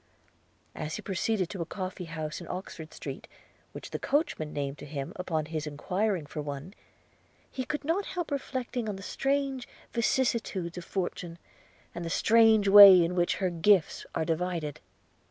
As he proceeded to a coffee house in Oxford Street, which the coach man named to him upon his enquiring for one, he could not help reflecting on the strange vicissitudes of fortune, and the strange way in which her gifts are divided.